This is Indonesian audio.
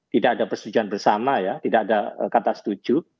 tidak ada persetujuan bersama ya tidak ada kata setuju